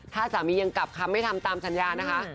ถ้าสามียังกลับคำไม่ทำตามสัญญานะคะ